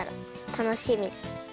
たのしみ。